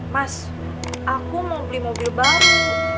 mas aku mau beli mobil baru